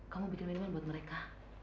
kamu bikin minuman buat mereka